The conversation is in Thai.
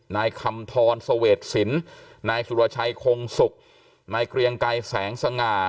นายคำทรเสวดสินนายสุรชัยคงศุกร์นายเกรียงไกรแสงสง่า